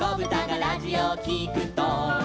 「ラジオをきくと」